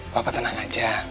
papa tenang aja